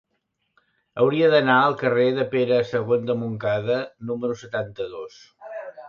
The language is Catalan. Hauria d'anar al carrer de Pere II de Montcada número setanta-dos.